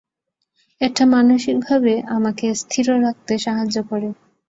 এটা মানসিকভাবে আমাকে স্থির রাখতে সাহায্য করে।